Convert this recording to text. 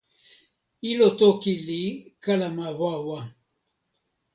ilo toki li kalama wawa.